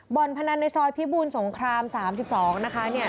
บอลพนันน้อยซอยพี่บูนสงคราม๓๒นะคะเนี่ย